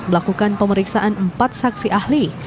melakukan pemeriksaan empat saksi ahli